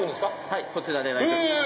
はいそちらで大丈夫です。